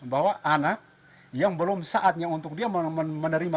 bahwa anak yang belum saatnya untuk dia menerima